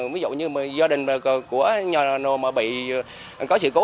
ví dụ như gia đình của nhà nồ mà bị có sự cố